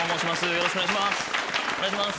よろしくお願いします。